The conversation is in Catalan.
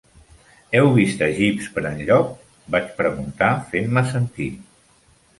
Heu vist a Jeeves per enlloc? Vaig preguntar fent-me sentir.